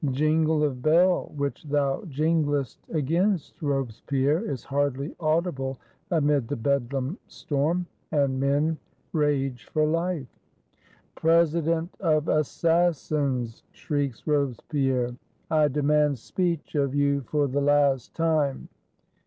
Jingle of bell, which thou jinglest against Robespierre, is hardly audible amid the Bedlam storm; and men rage for life. "President of 335 FRANCE Assassins," shrieks Robespierre, "I demand speech of you for the last time!"